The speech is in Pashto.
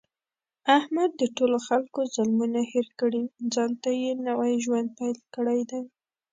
احمد د ټولو خلکو ظلمونه هېر کړي، ځانته یې نوی ژوند پیل کړی دی.